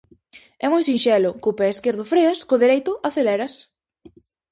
-É moi sinxelo: co pé esquerdo freas; co dereito, aceleras.